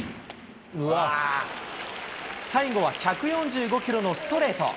最後は１４５キロのストレート。